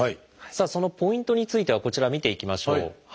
さあそのポイントについてはこちら見ていきましょう。